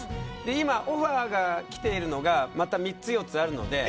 今オファーがきているのが３つ、４つあるので。